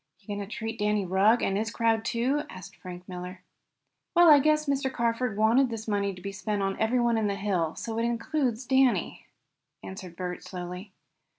"Going to treat Danny Rugg, and his crowd, too?" asked Frank Miller. "Well, I guess Mr. Carford wanted this money to be spent on everyone on the hill, so it includes Danny," answered Bert slowly.